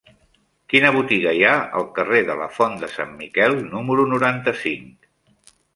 Quina botiga hi ha al carrer de la Font de Sant Miquel número noranta-cinc?